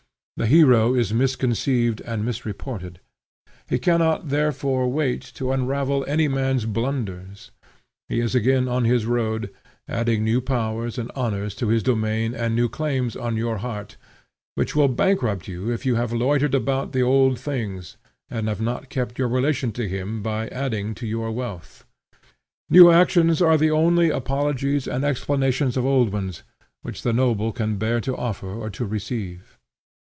The hero is misconceived and misreported; he cannot therefore wait to unravel any man's blunders; he is again on his road, adding new powers and honors to his domain and new claims on your heart, which will bankrupt you if you have loitered about the old things and have not kept your relation to him by adding to your wealth. New actions are the only apologies and explanations of old ones which the noble can bear to offer or to receive.